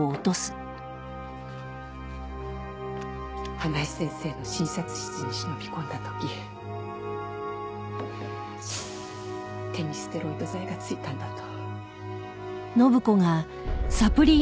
花井先生の診察室に忍び込んだ時手にステロイド剤が付いたんだと。